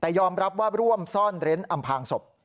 แต่ยอมรับว่าร่วมซ่อนเร้นอำพางศพ